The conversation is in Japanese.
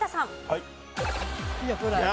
はい。